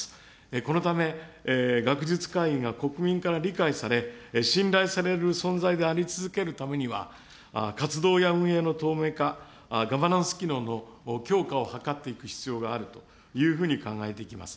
このため、学術会議が国民から理解され、信頼される存在であり続けるためには、活動や運営の透明化、ガバナンス機能の強化を図っていく必要があるというふうに考えていきます。